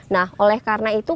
nah oleh karena itu